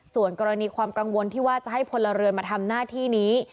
ส่วนกรณีความกังวลที่ว่าจะให้พลเรือนมาทำหน้าที่นี้